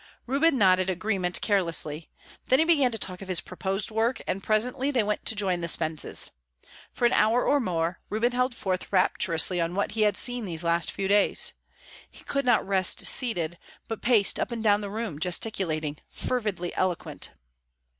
Reuben nodded agreement carelessly. Then he began to talk of his proposed work, and presently they went to join the Spences. For an hour or more, Reuben held forth rapturously on what he had seen these last few days. He could not rest seated, but paced up and down the room, gesticulating, fervidly eloquent.